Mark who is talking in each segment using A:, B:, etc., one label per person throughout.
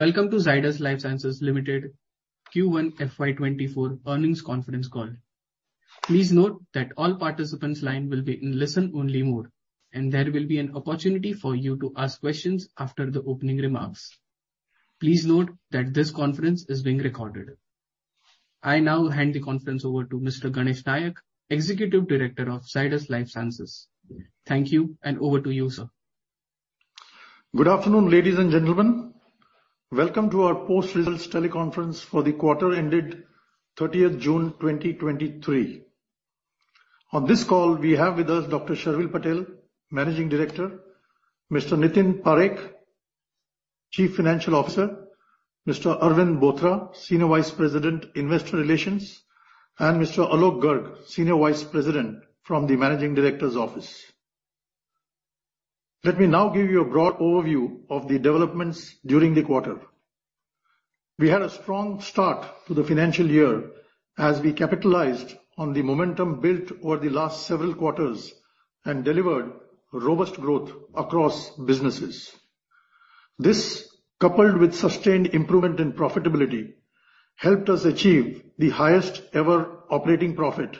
A: Welcome to Zydus Lifesciences Limited Q1 FY24 earnings conference call. Please note that all participants line will be in listen-only mode, and there will be an opportunity for you to ask questions after the opening remarks. Please note that this conference is being recorded. I now hand the conference over to Mr. Ganesh Nayak, Executive Director of Zydus Lifesciences. Thank you, and over to you, sir.
B: Good afternoon, ladies and gentlemen. Welcome to our post-results teleconference for the quarter ended 30th June, 2023. On this call, we have with us Dr. Sharvil Patel, Managing Director; Mr. Nitin Parekh, Chief Financial Officer; Mr. Arvind Bothra, Senior Vice President, Investor Relations; and Mr. Alok Garg, Senior Vice President from the Managing Director's Office. Let me now give you a broad overview of the developments during the quarter. We had a strong start to the financial year as we capitalized on the momentum built over the last several quarters and delivered robust growth across businesses. This, coupled with sustained improvement in profitability, helped us achieve the highest ever operating profit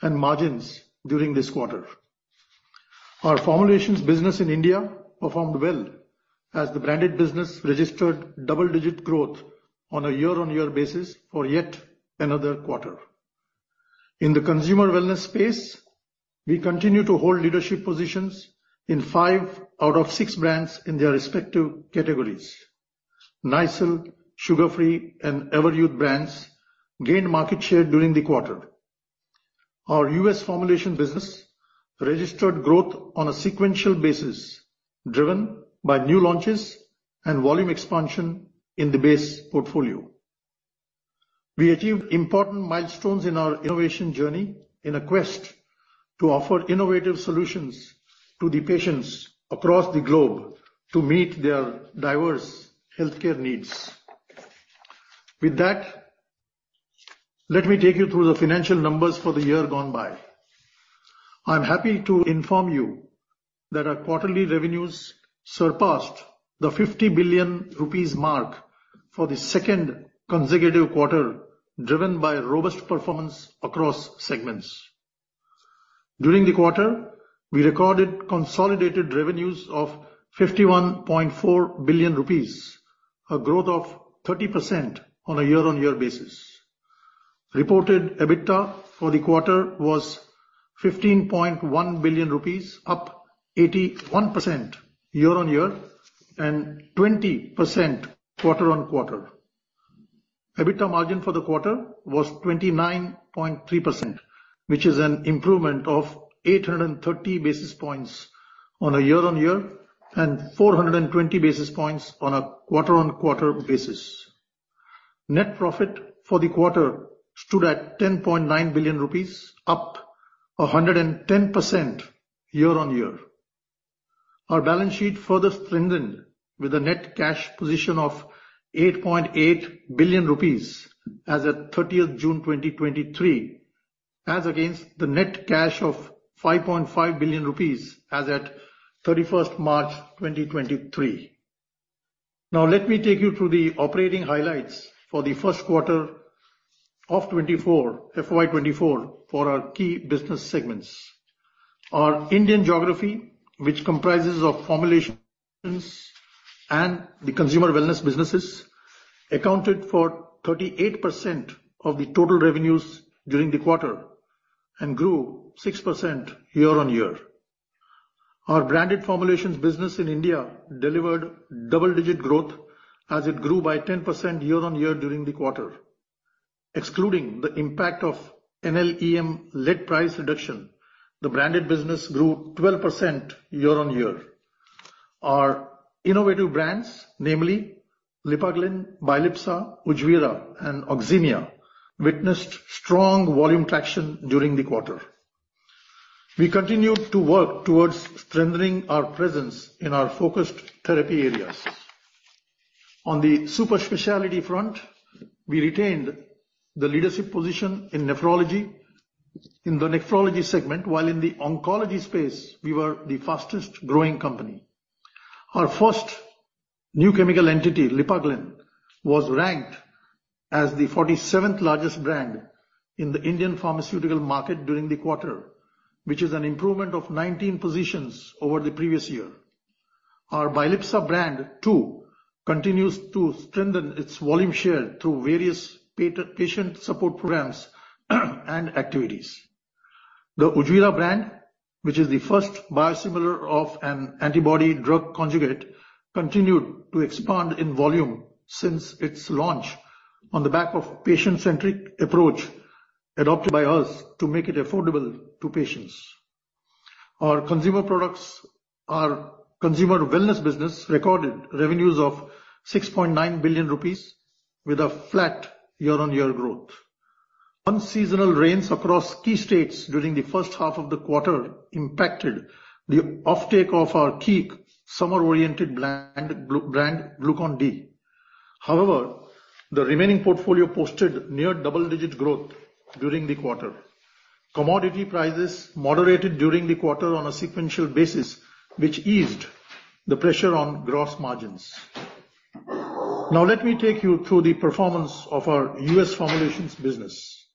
B: and margins during this quarter. Our formulations business in India performed well, as the branded business registered double-digit growth on a year-on-year basis for yet another quarter. In the consumer wellness space, we continue to hold leadership positions in 5 out of 6 brands in their respective categories. Nycil, Sugar Free, and Everyuth brands gained market share during the quarter. Our US formulation business registered growth on a sequential basis, driven by new launches and volume expansion in the base portfolio. We achieved important milestones in our innovation journey in a quest to offer innovative solutions to the patients across the globe to meet their diverse healthcare needs. With that, let me take you through the financial numbers for the year gone by. I'm happy to inform you that our quarterly revenues surpassed the 50 billion rupees mark for the second consecutive quarter, driven by robust performance across segments. During the quarter, we recorded consolidated revenues of 51.4 billion rupees, a growth of 30% on a year-on-year basis. Reported EBITDA for the quarter was 15.1 billion rupees, up 81% year-on-year and 20% quarter-on-quarter. EBITDA margin for the quarter was 29.3%, which is an improvement of 830 basis points on a year-on-year and 420 basis points on a quarter-on-quarter basis. Net profit for the quarter stood at 10.9 billion rupees, up 110% year-on-year. Our balance sheet further strengthened with a net cash position of 8.8 billion rupees as at 30th June, 2023, as against the net cash of 5.5 billion rupees as at 31st March, 2023. Let me take you through the operating highlights for the first quarter of 2024, FY24, for our key business segments. Our Indian geography, which comprises of formulations and the consumer wellness businesses, accounted for 38% of the total revenues during the quarter and grew 6% year-on-year. Our branded formulations business in India delivered double-digit growth as it grew by 10% year-on-year during the quarter. Excluding the impact of NLEM-led price reduction, the branded business grew 12% year-on-year. Our innovative brands, namely Lipaglyn, Bilypsa, Ujwala, and Oxemia, witnessed strong volume traction during the quarter. We continued to work towards strengthening our presence in our focused therapy areas. On the super specialty front, we retained the leadership position in nephrology, in the nephrology segment, while in the oncology space, we were the fastest-growing company. Our first new chemical entity, Lipaglyn, was ranked as the 47th largest brand in the Indian pharmaceutical market during the quarter, which is an improvement of 19 positions over the previous year. Our Bilypsa brand, too, continues to strengthen its volume share through various patient support programs and activities. The Ujwala brand, which is the first biosimilar of an antibody drug conjugate, continued to expand in volume since its launch on the back of patient-centric approach adopted by us to make it affordable to patients. Our consumer products, our consumer wellness business, recorded revenues of 6.9 billion rupees with a flat year-on-year growth. Unseasonal rains across key states during the first half of the quarter impacted the offtake of our key summer-oriented brand, Glucon-D. However, the remaining portfolio posted near double-digit growth during the quarter. Commodity prices moderated during the quarter on a sequential basis, which eased the pressure on gross margins. Now, let me take you through the performance of our US formulations business.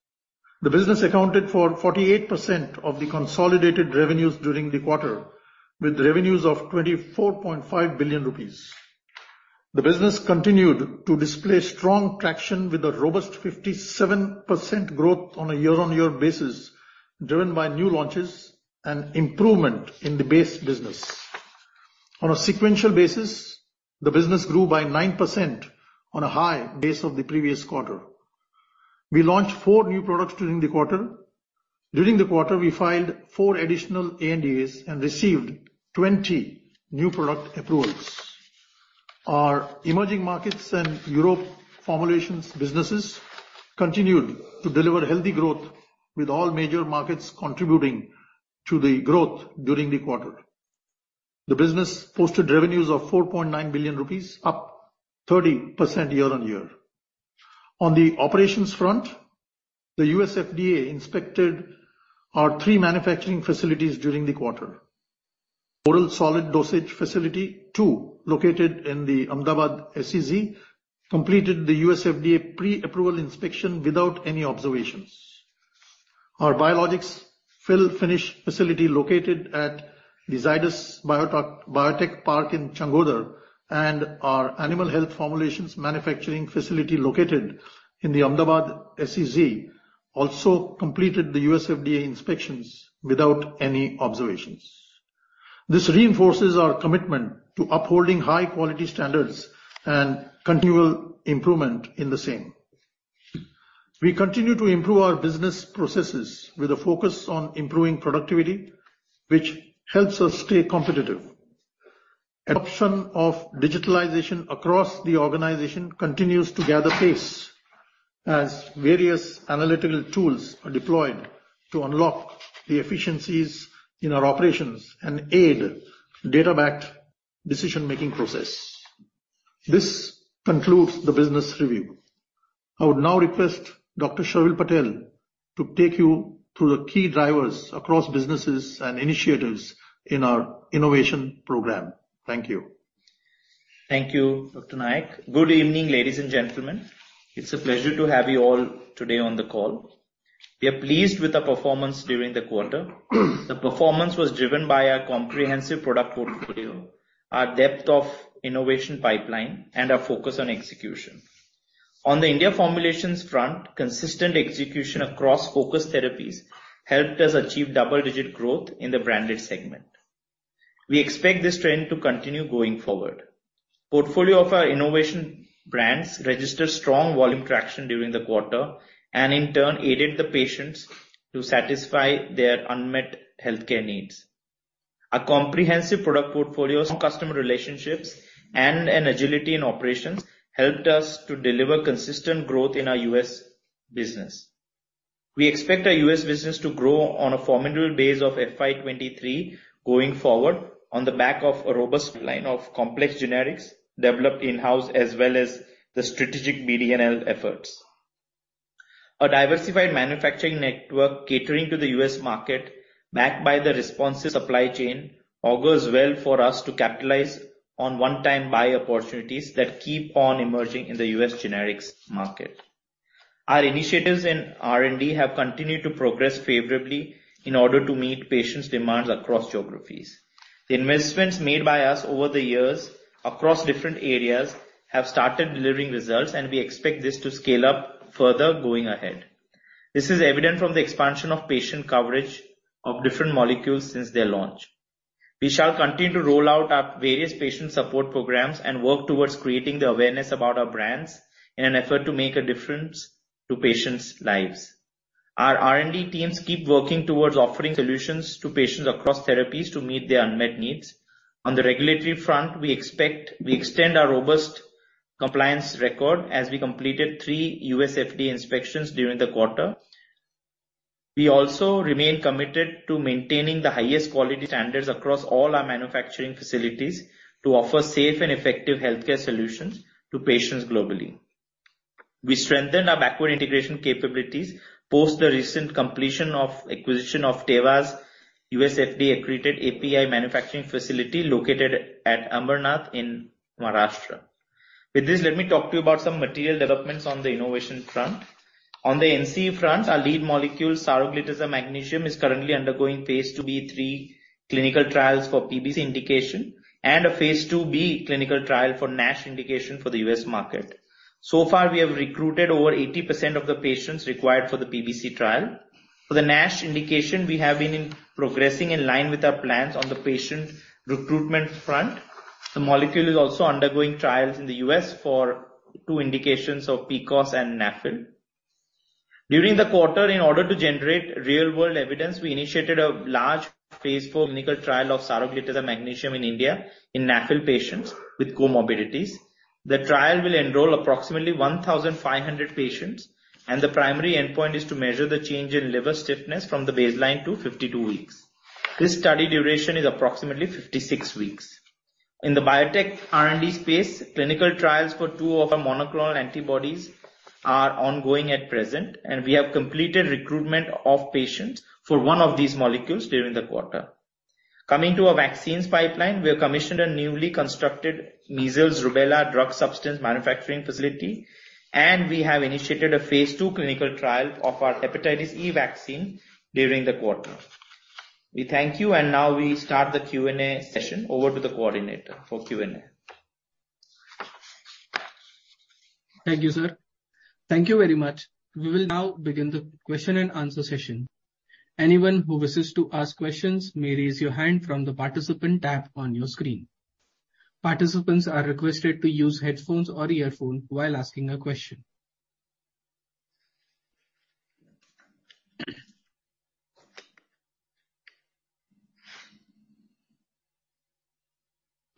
B: The business accounted for 48% of the consolidated revenues during the quarter, with revenues of 24.5 billion rupees. The business continued to display strong traction, with a robust 57% growth on a year-on-year basis, driven by new launches and improvement in the base business. On a sequential basis, the business grew by 9% on a high base of the previous quarter. We launched four new products during the quarter. During the quarter, we filed four additional ANDAs and received 20 new product approvals. Our emerging markets and Europe formulations businesses continued to deliver healthy growth, with all major markets contributing to the growth during the quarter. The business posted revenues of 4.9 billion rupees, up 30% year-on-year. On the operations front, the U.S. FDA inspected our three manufacturing facilities during the quarter. Oral Solid Dosage Facility 2, located in the Ahmedabad SEZ, completed the U.S. FDA pre-approval inspection without any observations. Our biologics fill finish facility, located at the Zydus Biotech Park in Changodar, and our animal health formulations manufacturing facility, located in the Ahmedabad SEZ, also completed the U.S. FDA inspections without any observations. This reinforces our commitment to upholding high quality standards and continual improvement in the same. We continue to improve our business processes with a focus on improving productivity, which helps us stay competitive. Adoption of digitalization across the organization continues to gather pace as various analytical tools are deployed to unlock the efficiencies in our operations and aid data-backed decision-making process. This concludes the business review. I would now request Dr. Sharvil Patel to take you through the key drivers across businesses and initiatives in our innovation program. Thank you.
C: Thank you, Dr. Nayak. Good evening, ladies and gentlemen. It's a pleasure to have you all today on the call. We are pleased with the performance during the quarter. The performance was driven by our comprehensive product portfolio, our depth of innovation pipeline, and our focus on execution. On the India formulations front, consistent execution across focus therapies helped us achieve double-digit growth in the branded segment. We expect this trend to continue going forward. Portfolio of our innovation brands registered strong volume traction during the quarter, and in turn aided the patients to satisfy their unmet healthcare needs. Our comprehensive product portfolios, customer relationships, and an agility in operations helped us to deliver consistent growth in our US business. We expect our US business to grow on a formidable base of FY23 going forward, on the back of a robust line of complex generics developed in-house, as well as the strategic BD&L efforts. Our diversified manufacturing network catering to the US market, backed by the responsive supply chain, augurs well for us to capitalize on one-time buy opportunities that keep on emerging in the US generics market. Our initiatives in R&D have continued to progress favorably in order to meet patients' demands across geographies. The investments made by us over the years across different areas have started delivering results, and we expect this to scale up further going ahead. This is evident from the expansion of patient coverage of different molecules since their launch. We shall continue to roll out our various patient support programs and work towards creating the awareness about our brands in an effort to make a difference to patients' lives. Our R&D teams keep working towards offering solutions to patients across therapies to meet their unmet needs. On the regulatory front, we expect we extend our robust compliance record as we completed three U.S. FDA inspections during the quarter. We also remain committed to maintaining the highest quality standards across all our manufacturing facilities, to offer safe and effective healthcare solutions to patients globally. We strengthened our backward integration capabilities post the recent completion of acquisition of Teva's U.S. FDA-accredited API manufacturing facility, located at Ambernath in Maharashtra. With this, let me talk to you about some material developments on the innovation front. On the NCE front, our lead molecule, Saroglitazar Magnesium, is currently undergoing phase IIb/3 clinical trials for PBC indication and a phase IIb clinical trial for NASH indication for the U.S. market. So far, we have recruited over 80% of the patients required for the PBC trial. For the NASH indication, we have been progressing in line with our plans on the patient recruitment front. The molecule is also undergoing trials in the US for two indications of PCOS and NAFLD. During the quarter, in order to generate real-world evidence, we initiated a large phase IV clinical trial of Saroglitazar Magnesium in India in NAFLD patients with comorbidities. The trial will enroll approximately 1,500 patients, and the primary endpoint is to measure the change in liver stiffness from the baseline to 52 weeks. This study duration is approximately 56 weeks. In the biotech R&D space, clinical trials for two of our monoclonal antibodies are ongoing at present. We have completed recruitment of patients for one of these molecules during the quarter. Coming to our vaccines pipeline, we have commissioned a newly constructed Measles-Rubella drug substance manufacturing facility. We have initiated a phase II clinical trial of our hepatitis E vaccine during the quarter. We thank you. Now we start the Q&A session. Over to the coordinator for Q&A.
A: Thank you, sir. Thank you very much. We will now begin the question and answer session. Anyone who wishes to ask questions may raise your hand from the participant tab on your screen. Participants are requested to use headphones or earphones while asking a question.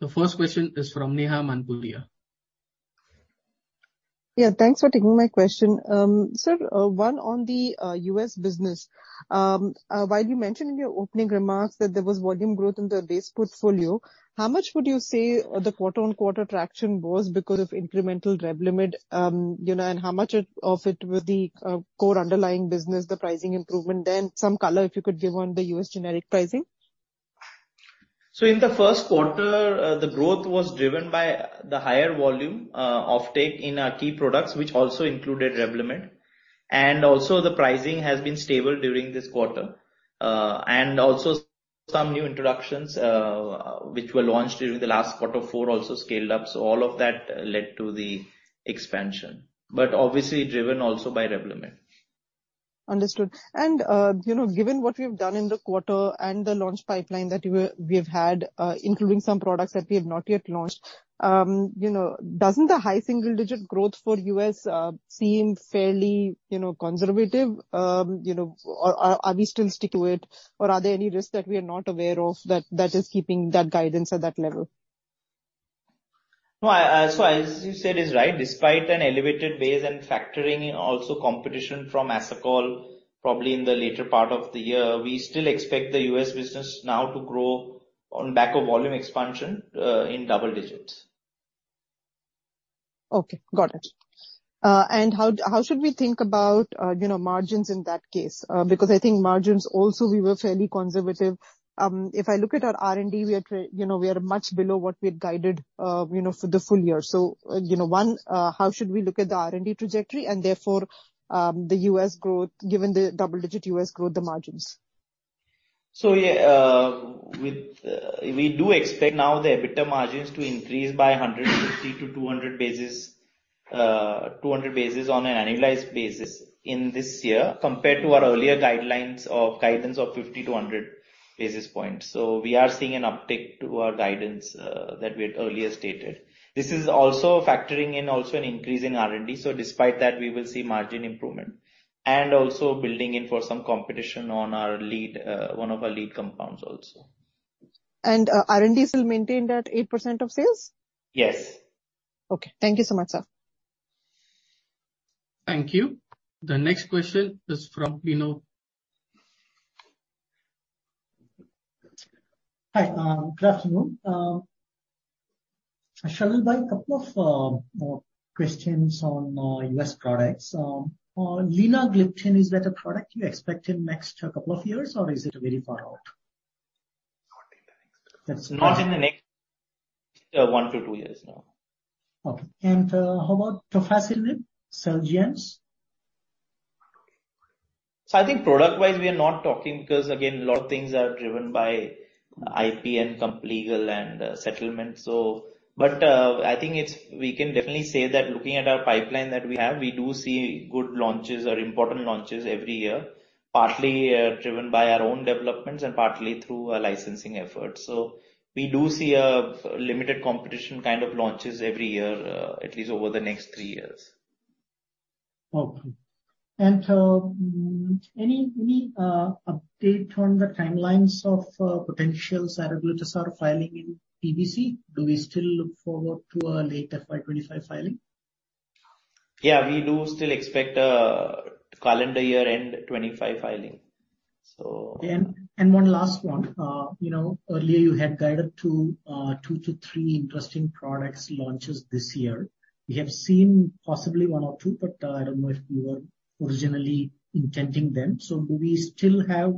A: The first question is from Neha Manpuria.
D: Yeah, thanks for taking my question. sir, one on the U.S. business. While you mentioned in your opening remarks that there was volume growth in the base portfolio, how much would you say the quarter-on-quarter traction was because of incremental Revlimid, you know, and how much of it was the core underlying business, the pricing improvement? Some color, if you could give on the U.S. generic pricing?
C: In the first quarter, the growth was driven by the higher volume of take in our key products, which also included Revlimid. Also the pricing has been stable during this quarter. Also some new introductions, which were launched during the last quarter four also scaled up. All of that led to the expansion, but obviously driven also by Revlimid.
D: Understood. You know, given what we've done in the quarter and the launch pipeline that we, we've had, including some products that we have not yet launched, you know, doesn't the high single-digit growth for U.S. seem fairly, you know, conservative? You know, are, are we still stick to it, or are there any risks that we are not aware of that, that is keeping that guidance at that level?
C: As you said is right, despite an elevated base and factoring in also competition from Asacol, probably in the later part of the year, we still expect the U.S. business now to grow on back of volume expansion, in double digits.
D: Okay, got it. How, how should we think about, you know, margins in that case? Because I think margins also we were fairly conservative. If I look at our R&D, we are you know, we are much below what we had guided, you know, for the full year. You know, one, how should we look at the R&D trajectory and therefore, the U.S. growth, given the double-digit U.S. growth, the margins?
C: Yeah, with, we do expect now the EBITDA margins to increase by 150-200 basis on an annualized basis in this year, compared to our earlier guidance of 50-100 basis points. We are seeing an uptick to our guidance that we had earlier stated. This is also factoring in also an increase in R&D, so despite that, we will see margin improvement. Also building in for some competition on our lead, one of our lead compounds also.
D: R&Ds will maintain that 8% of sales?
C: Yes.
D: Okay. Thank you so much, sir.
A: Thank you. The next question is from Vino.
E: Hi, good afternoon. Sharvil, by a couple of, more questions on, U.S. products. Linagliptin, is that a product you expect in next couple of years, or is it very far out?
C: Not in the next one to two years, no.
E: Okay. how about Trofinetide, Celgene?
C: I think product wise, we are not talking because, again, a lot of things are driven by IP and company legal and settlement. I think we can definitely say that looking at our pipeline that we have, we do see good launches or important launches every year, partly driven by our own developments and partly through our licensing efforts. We do see a limited competition kind of launches every year, at least over the next three years.
E: Okay. Any, any update on the timelines of potential Saroglitazar filing in PBC? Do we still look forward to a later 2025 filing?
C: Yeah, we do still expect a calendar year-end 25 filing.
E: One last one. You know, earlier you had guided to 2-3 interesting products launches this year. We have seen possibly one or two, but I don't know if you were originally intending them. Do we still have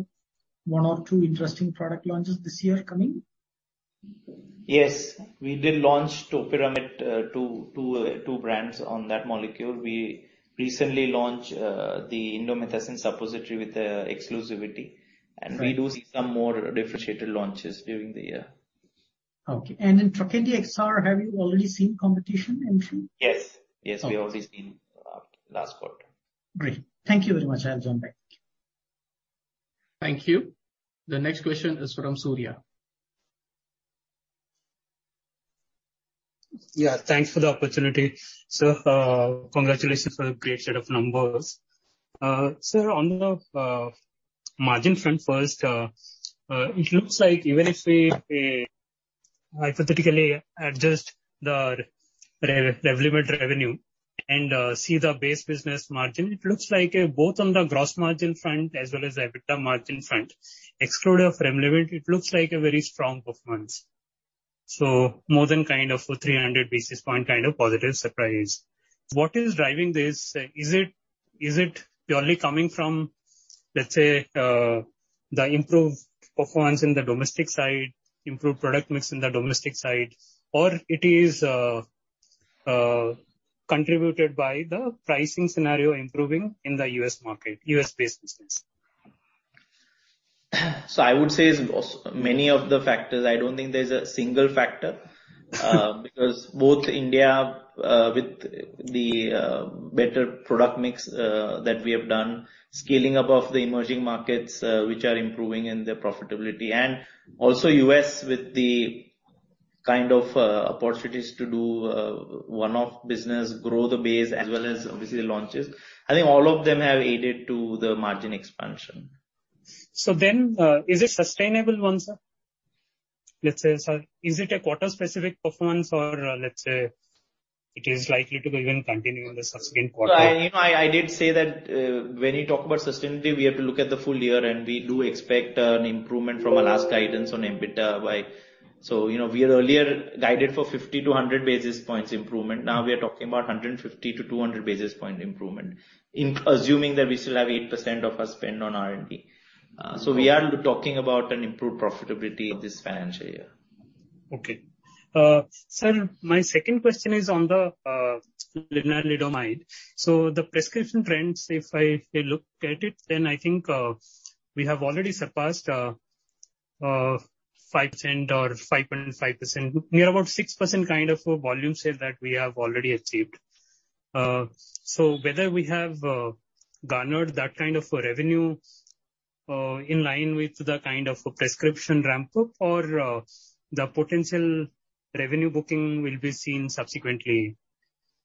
E: one or two interesting product launches this year coming?
C: Yes. We did launch Topiramate, two brands on that molecule. We recently launched, the Indomethacin suppository with the exclusivity-
E: Right.
C: We do see some more differentiated launches during the year.
E: Okay. In Trokendi XR, have you already seen competition entry?
C: Yes. Yes, we have already seen, last quarter.
E: Great. Thank you very much. I'll jump back.
F: Thank you. The next question is from Surya.
G: Yeah, thanks for the opportunity. Sir, congratulations on a great set of numbers. Sir, on the margin front first, it looks like even if we hypothetically adjust the Revlimid revenue... and see the base business margin, it looks like both on the gross margin front as well as the EBITDA margin front, exclude of Revlimid, it looks like a very strong performance. So more than kind of a 300 basis point kind of positive surprise. What is driving this? Is it purely coming from, let's say, the improved performance in the domestic side, improved product mix in the domestic side, or it is contributed by the pricing scenario improving in the U.S. market, U.S.-based business?
C: I would say it's also many of the factors. I don't think there's a single factor, because both India, with the better product mix, that we have done, scaling above the emerging markets, which are improving in their profitability, and also U.S. with the kind of opportunities to do one-off business, grow the base as well as obviously launches. I think all of them have aided to the margin expansion.
G: Is it sustainable one, sir? Let's say, sir, is it a quarter-specific performance, or, let's say, it is likely to even continue in the subsequent quarter?
C: I, you know, I, I did say that, when you talk about sustainability, we have to look at the full year, we do expect, an improvement from our last guidance on EBITDA by... You know, we had earlier guided for 50-100 basis points improvement. Now we are talking about 150-200 basis point improvement, in assuming that we still have 8% of our spend on R&D.
G: Okay.
C: We are talking about an improved profitability of this financial year.
G: Okay. sir, my second question is on the Lenalidomide. The prescription trends, if I, I look at it, then I think, we have already surpassed, 5% or 5.5%. Near about 6% kind of a volume sale that we have already achieved. Whether we have garnered that kind of a revenue, in line with the kind of a prescription ramp-up, or the potential revenue booking will be seen subsequently?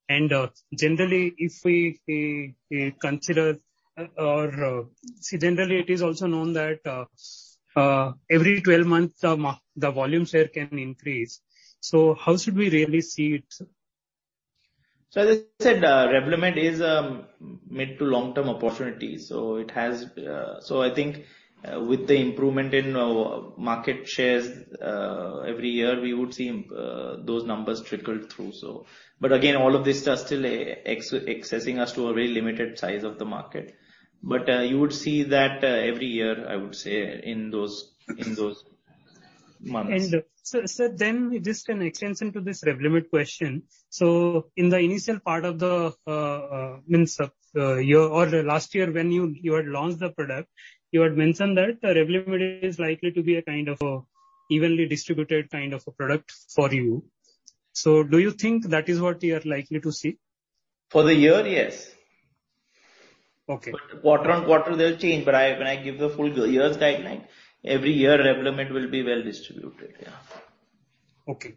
G: Generally, if we, we, we consider or see, generally it is also known that every 12 months, the volume share can increase. How should we really see it, sir?
C: As I said, Revlimid is, mid to long-term opportunity, so it has... I think, with the improvement in market shares, every year, we would see those numbers trickle through, so. But again, all of this are still accessing us to a very limited size of the market. But, you would see that, every year, I would say, in those, in those months.
G: Sir, just an extension to this Revlimid question. In the initial part of the means of your, or last year when you, you had launched the product, you had mentioned that the Revlimid is likely to be a kind of evenly distributed kind of a product for you. Do you think that is what you are likely to see?
C: For the year, yes.
G: Okay.
C: Quarter on quarter, they'll change. I, when I give the full year's guideline, every year, Revlimid will be well distributed. Yeah.
G: Okay.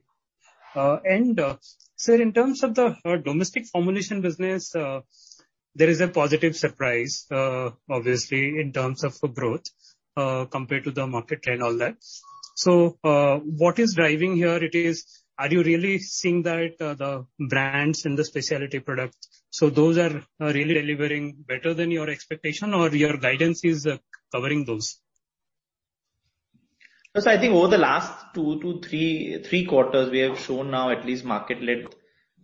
G: sir, in terms of the domestic formulation business, there is a positive surprise, obviously, in terms of the growth, compared to the market trend, all that. What is driving here? It is, are you really seeing that, the brands and the speciality products, so those are, really delivering better than your expectation, or your guidance is, covering those?
C: I think over the last two to three, three quarters, we have shown now at least market led,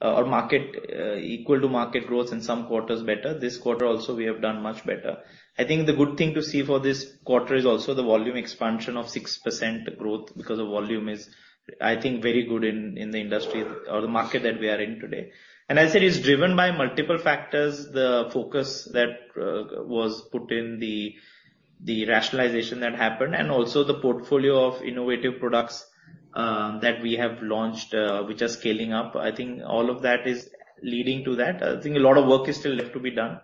C: or market, equal to market growth, in some quarters better. This quarter also, we have done much better. I think the good thing to see for this quarter is also the volume expansion of 6% growth, because the volume is, I think, very good in, in the industry or the market that we are in today. As it is driven by multiple factors, the focus that was put in the, the rationalization that happened, and also the portfolio of innovative products that we have launched, which are scaling up, I think all of that is leading to that. I think a lot of work is still left to be done,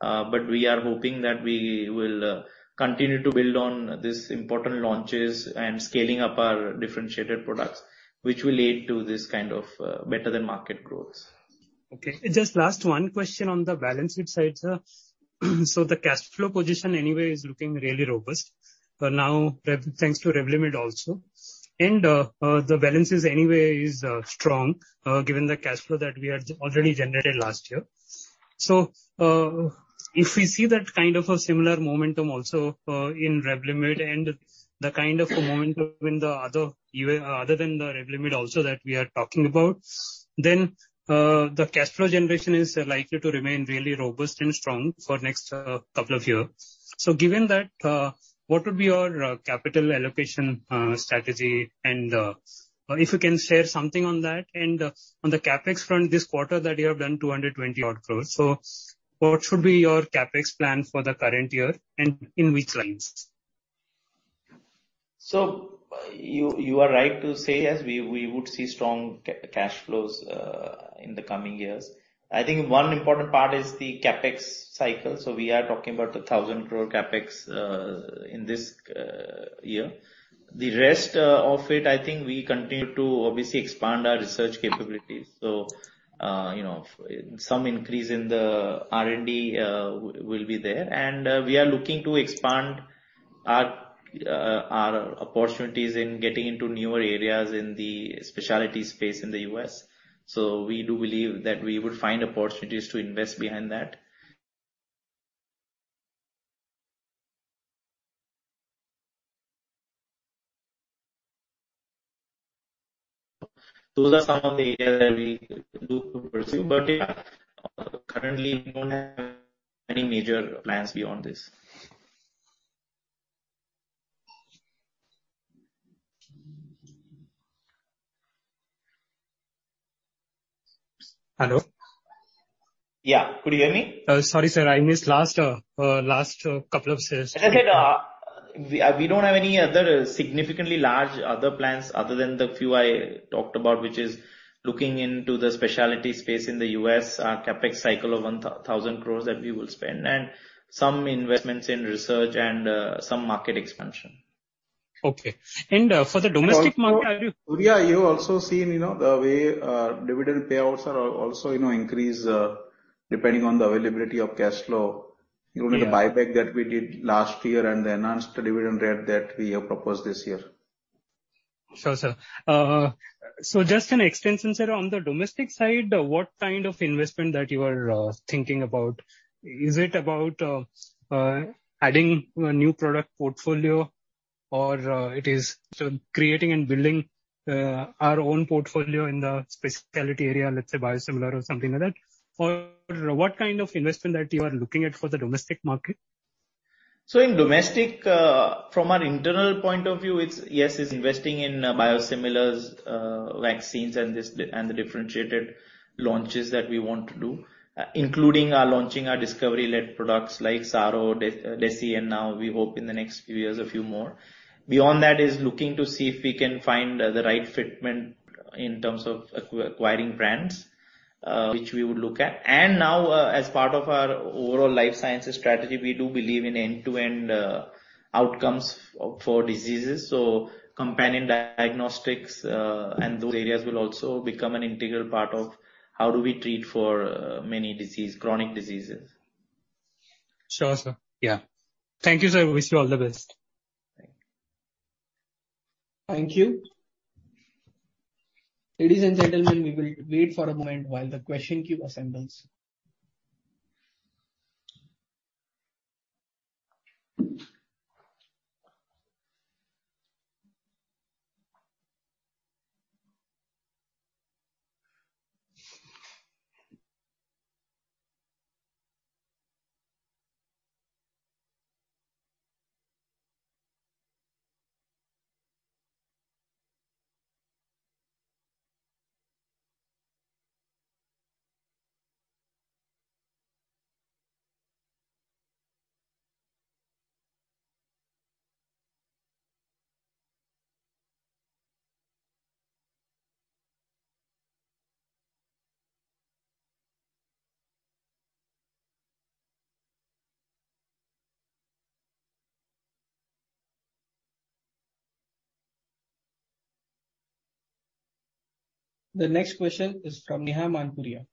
C: but we are hoping that we will continue to build on these important launches and scaling up our differentiated products, which will lead to this kind of better-than-market growth.
G: Okay. Just last one question on the balance sheet side, sir. The cash flow position anyway is looking really robust, but now, thanks to Revlimid also. The balance is anyway is strong given the cash flow that we had already generated last year. If we see that kind of a similar momentum also in Revlimid and the kind of momentum in the other other than the Revlimid also that we are talking about, then the cash flow generation is likely to remain really robust and strong for next couple of years. Given that, what would be your capital allocation strategy? If you can share something on that and on the CapEx front, this quarter that you have done 220 odd crore. What should be your CapEx plan for the current year, and in which lines?
C: You, you are right to say, yes, we, we would see strong cash flows in the coming years. I think one important part is the CapEx cycle. We are talking about 1,000 crore CapEx in this year. The rest of it, I think we continue to obviously expand our research capabilities. You know, some increase in the R&D will be there. We are looking to expand our opportunities in getting into newer areas in the specialty space in the U.S. We do believe that we will find opportunities to invest behind that. Those are some of the areas that we do pursue, but yeah, currently, we don't have any major plans beyond this.
G: Hello?
C: Yeah. Could you hear me?
G: Sorry, sir, I missed last, last, couple of says.
C: As I said, we, we don't have any other significantly large other plans other than the few I talked about, which is looking into the specialty space in the U.S., our CapEx cycle of 1,000 crore that we will spend, and some investments in research and some market expansion.
G: Okay. for the domestic market, are you.
C: Yeah, you also seen, you know, the way, dividend payouts are also, you know, increase, depending on the availability of cash flow.
G: Yeah.
C: The buyback that we did last year and the enhanced dividend rate that we have proposed this year.
G: Sure, sir. Just an extension, sir, on the domestic side, what kind of investment that you are thinking about? Is it about adding a new product portfolio, or it is creating and building our own portfolio in the specialty area, let's say biosimilar or something like that? Or what kind of investment that you are looking at for the domestic market?
C: In domestic, from our internal point of view, it's... yes, it's investing in biosimilars, vaccines, and this, and the differentiated launches that we want to do, including launching our discovery-led products like Saro, Desi, and now we hope in the next few years, a few more. Beyond that is looking to see if we can find the right fitment in terms of acquiring brands, which we would look at. Now, as part of our overall life sciences strategy, we do believe in end-to-end outcomes for diseases, so companion diagnostics, and those areas will also become an integral part of how do we treat for many disease, chronic diseases.
G: Sure, sir. Yeah. Thank you, sir. I wish you all the best.
C: Thank you.
A: Thank you. Ladies and gentlemen, we will wait for a moment while the question queue assembles. The next question is from Neha Mankuria.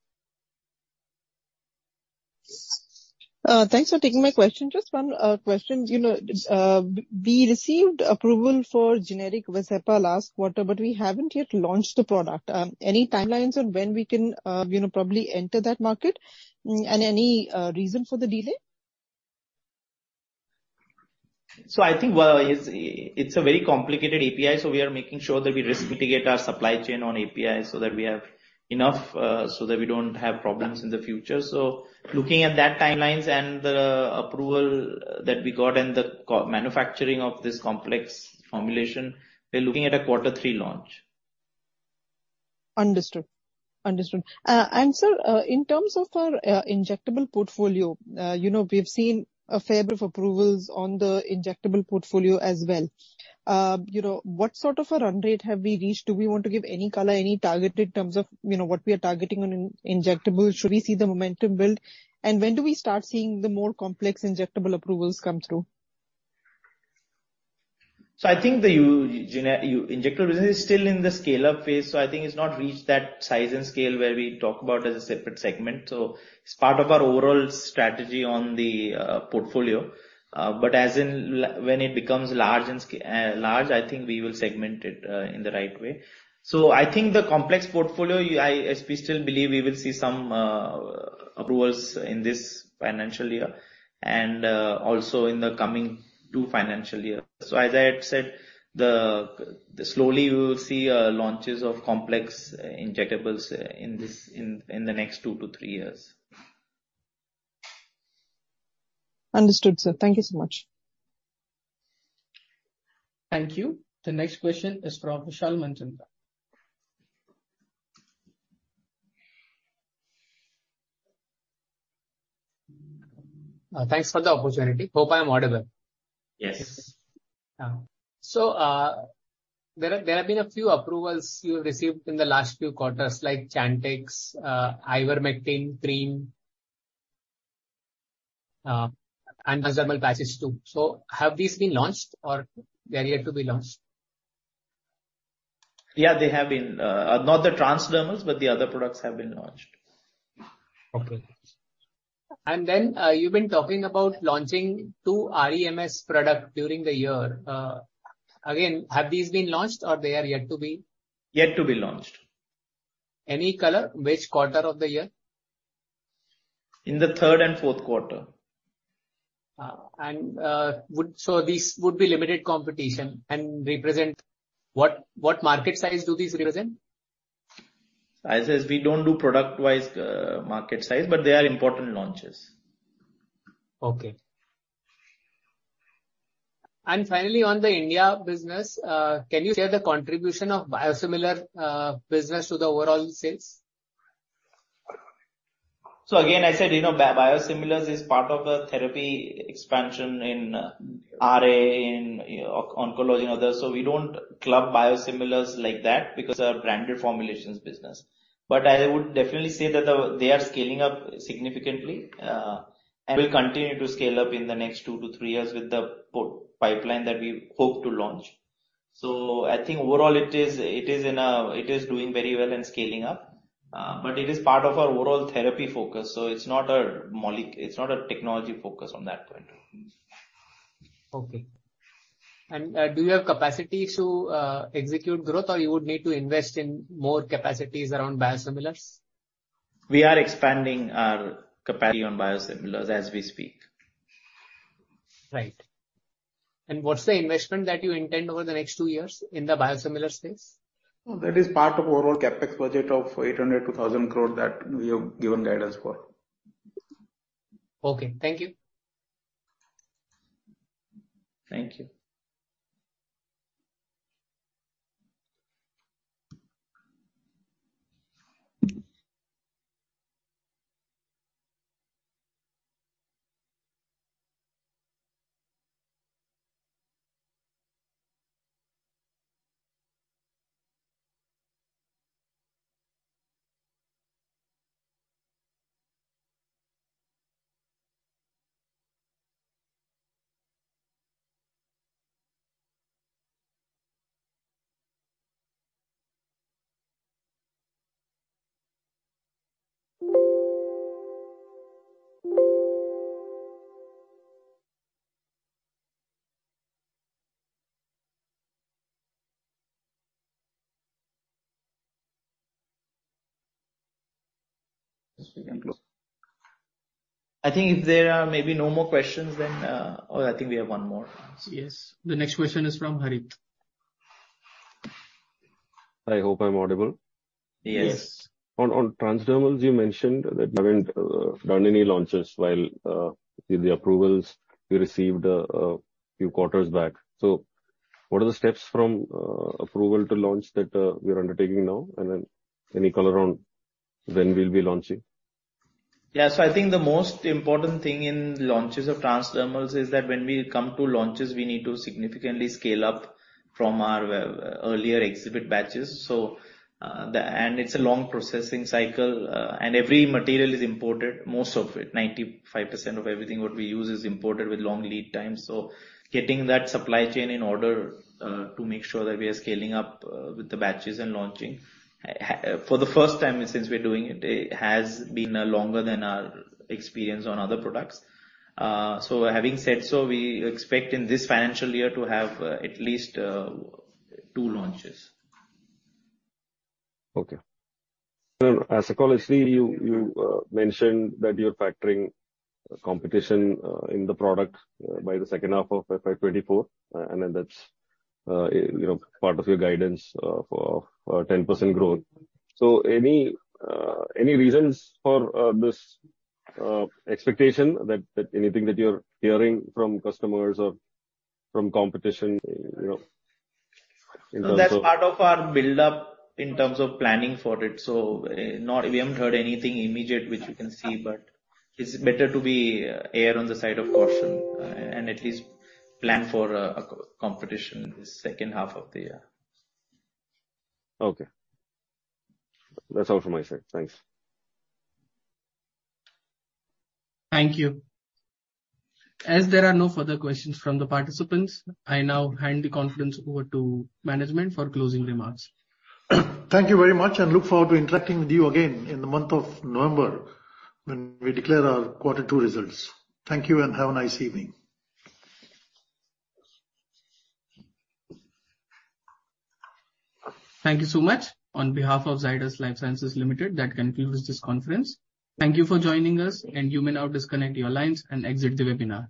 H: Thanks for taking my question. Just one question. You know, we, we received approval for generic VASCEPA last quarter. We haven't yet launched the product. Any timelines on when we can, you know, probably enter that market? Any reason for the delay?
C: I think, well, it's a very complicated API, so we are making sure that we risk mitigate our supply chain on API so that we have enough so that we don't have problems in the future. Looking at that timelines and the approval that we got and the co-manufacturing of this complex formulation, we're looking at a quarter 3 launch.
H: Understood. Understood. Sir, in terms of our injectable portfolio, you know, we've seen a fair bit of approvals on the injectable portfolio as well. You know, what sort of a run rate have we reached? Do we want to give any color, any target in terms of, you know, what we are targeting on injectables? Should we see the momentum build, and when do we start seeing the more complex injectable approvals come through?
C: I think the gene injectable is still in the scale-up phase. I think it's not reached that size and scale where we talk about as a separate segment. It's part of our overall strategy on the portfolio. As when it becomes large and large, I think we will segment it in the right way. I think the complex portfolio, I, as we still believe, we will see some approvals in this financial year and also in the coming two financial year. As I had said, the slowly we will see launches of complex injectables in the next two to three years.
H: Understood, sir. Thank you so much.
F: Thank you. The next question is from Vishal Manchanda.
I: Thanks for the opportunity. Hope I am audible.
C: Yes.
I: there have been a few approvals you received in the last few quarters, like CHANTIX, Ivermectin cream, and transdermal patches, too. Have these been launched or they're yet to be launched?
C: Yeah, they have been, not the transdermals, but the other products have been launched.
I: Okay. Then, you've been talking about launching 2 REMS product during the year. Again, have these been launched or they are yet to be?
C: Yet to be launched.
I: Any color, which quarter of the year?
C: In the third and fourth quarter.
I: So these would be limited competition and represent, what, what market size do these represent?
C: As is, we don't do product-wise, market size, but they are important launches.
I: Okay. finally, on the India business, can you share the contribution of biosimilar business to the overall sales?
C: Again, I said, you know, biosimilars is part of the therapy expansion in RA, in oncology and others, so we don't club biosimilars like that because they are branded formulations business. I would definitely say that the, they are scaling up significantly, and will continue to scale up in the next two to three years with the pipeline that we hope to launch. I think overall it is, it is in a, it is doing very well and scaling up, but it is part of our overall therapy focus, so it's not a technology focus from that point.
I: Okay. Do you have capacity to execute growth, or you would need to invest in more capacities around biosimilars?
C: We are expanding our capacity on biosimilars as we speak.
I: Right. What's the investment that you intend over the next two years in the biosimilars space?
C: That is part of overall CapEx budget of 800 crore-1,000 crore that we have given guidance for.
I: Okay. Thank you.
C: Thank you.
A: Yes, we can close.
C: I think if there are maybe no more questions, then. Oh, I think we have one more.
A: Yes. The next question is from Harith.
J: I hope I'm audible.
C: Yes.
A: Yes.
J: On, on transdermals, you mentioned that you haven't done any launches while the approvals you received a few quarters back. What are the steps from approval to launch that we are undertaking now? Any color on when we'll be launching?
C: Yeah. So I think the most important thing in launches of transdermals is that when we come to launches, we need to significantly scale up from our earlier exhibit batches. It's a long processing cycle, and every material is imported, most of it, 95% of everything what we use is imported with long lead time. Getting that supply chain in order, to make sure that we are scaling up with the batches and launching, for the first time since we're doing it, it has been longer than our experience on other products. Having said so, we expect in this financial year to have, at least, two launches.
J: Okay. As a colleague, you, you, mentioned that you're factoring competition, in the product, by the second half of FY24, and then that's, you know, part of your guidance of, 10% growth. Any, any reasons for, this, expectation, that, that anything that you're hearing from customers or from competition, you know, in terms of?
C: That's part of our build-up in terms of planning for it, so, not- we haven't heard anything immediate which you can see, but it's better to be, err on the side of caution, and at least plan for a co- competition in the second half of the year.
J: Okay. That's all from my side. Thanks.
A: Thank you. As there are no further questions from the participants, I now hand the conference over to management for closing remarks.
B: Thank you very much. Look forward to interacting with you again in the month of November when we declare our Quarter Two results. Thank you. Have a nice evening.
A: Thank you so much. On behalf of Zydus Lifesciences Limited, that concludes this conference. Thank you for joining us, and you may now disconnect your lines and exit the webinar.